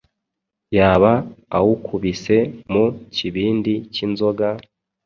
yaba awukubise mu kibindi cy'inzoga,